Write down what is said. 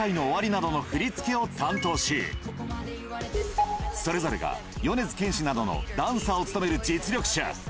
ＳＥＫＡＩＮＯＯＷＡＲＩなどの振り付けを担当し、それぞれが米津玄師などのダンサーを務める実力者。